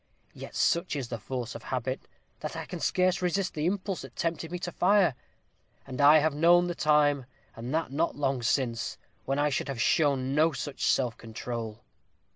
Yet such is the force of habit, that I can scarce resist the impulse that tempted me to fire; and I have known the time, and that not long since, when I should have shown no such self control."